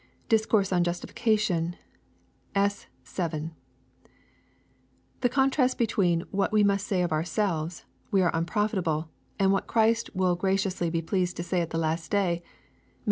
{Discourse on Justification^ s. 7.) The contrast between what we must say of ourselves, '• we are unprofitable," and what Christ will be graciously pleased to say at the last day, (Matt.